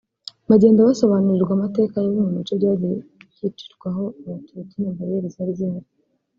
bagenda basobanurirwa amateka ya bimwe mu bice byagiye byicirwaho Abatutsi na bariyeri zari zihari